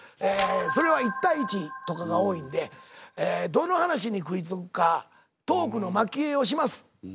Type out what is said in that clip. それは１対１とかが多いんでどの話に食いつくかトークのまき餌をします。